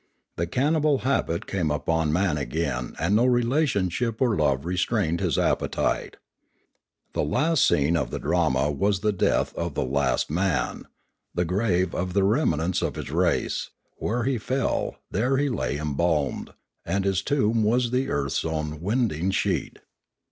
The cannibal habit came upon man again and no re lationship or love restrained his appetite. The last scene of the drama was the death of the last man, the grave of the remnants of his race; where he fell, there he lay embalmed; and his tomb was the earth's own winding sheet.